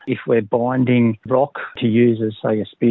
jika kita menggabungkan kuda untuk menggunakan kuda kuda